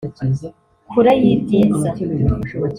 Kure y'ibyiza